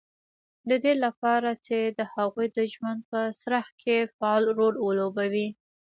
د دې لپاره چې د هغوی د ژوند په څرخ کې فعال رول ولوبوي